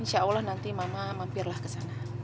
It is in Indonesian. insya allah nanti mama mampirlah ke sana